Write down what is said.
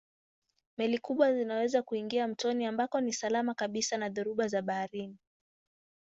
Meli kubwa zinaweza kuingia mtoni ambako ni salama kabisa na dhoruba za baharini.